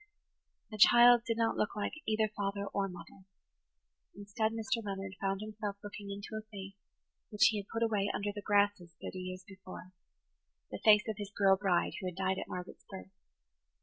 The child did not look like either father or mother. Instead, Mr. Leonard found himself looking into a face which he had put away under the grasses thirty years before,–the face of his girl bride, who had died at Margaret's birth.